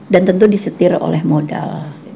dan tentu disetir oleh modal